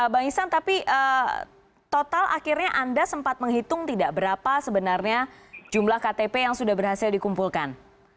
bang isan tapi total akhirnya anda sempat menghitung tidak berapa sebenarnya jumlah ktp yang sudah berhasil dikumpulkan